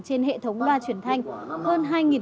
trên hệ thống loa truyền thanh hơn